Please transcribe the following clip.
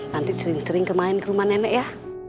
nanti sering sering ke main ke rumah nenek ya